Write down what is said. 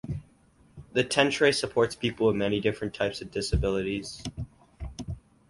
The tentre supports people with many different types of disabilities.